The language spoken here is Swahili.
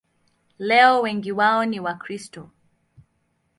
Leo wengi wao ni Wakristo.